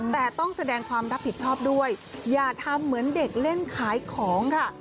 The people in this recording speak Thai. แต่ต้องแสดงความรับผิดชอบด้วยอย่าทำเหมือนเด็กเล่นขายของค่ะ